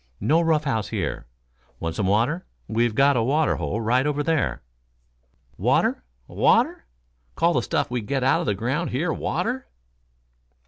"No rough house here. Want some water? We've got a water hole right over there." "Water? Water? Call the stuff we get out of the ground here water?"